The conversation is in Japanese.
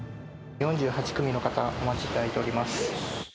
４８組の方、お待ちいただいております。